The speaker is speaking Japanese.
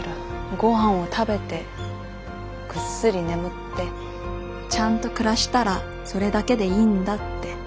ごはんを食べてぐっすり眠ってちゃんと暮らしたらそれだけでいいんだって。